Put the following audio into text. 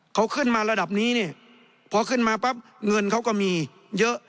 เขาขึ้นมาระดับนี้เนี่ยพอขึ้นมาปั๊บเงินเขาก็มีเยอะ